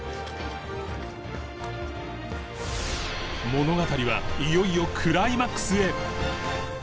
物語はいよいよクライマックスへ！